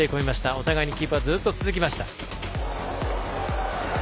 お互いにキープはずっと続きました。